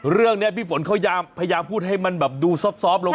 เรื่องนี้พี่ฝนเขาพยายามพูดให้มันแบบดูซอบลง